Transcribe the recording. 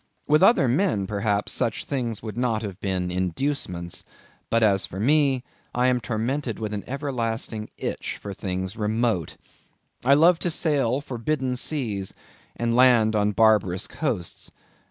With other men, perhaps, such things would not have been inducements; but as for me, I am tormented with an everlasting itch for things remote. I love to sail forbidden seas, and land on barbarous coasts.